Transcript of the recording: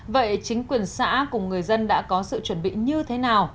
vậy chính quyền xã cùng người dân đã có sự chuẩn bị như thế nào